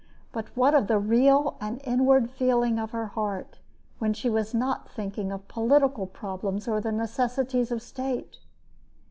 But what of the real and inward feeling of her heart, when she was not thinking of political problems or the necessities of state!